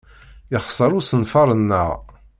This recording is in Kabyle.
Yexṣer usenfar-nneɣ.